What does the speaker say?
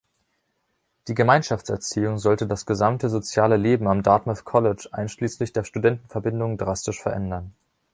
Die Gemeinschaftserziehung sollte das gesamte soziale Leben am Dartmouth College einschließlich der Studentenverbindung drastisch verändern.